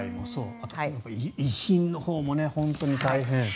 あとは遺品のほうも本当に大変。